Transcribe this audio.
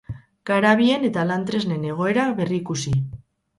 Garabien eta lan-tresnen egoera berrikusi.